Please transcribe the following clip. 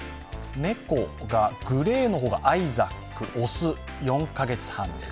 猫がグレーの方がアイザック雄、４カ月半です。